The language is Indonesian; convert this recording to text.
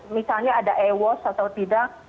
misalnya ada ewos atau tidak